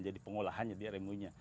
jadi beras premium